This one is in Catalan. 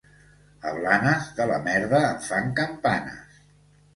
A Blanes, de la merda en fan campanes.